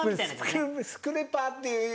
スクレーパーっていう